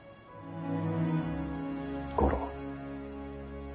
五郎。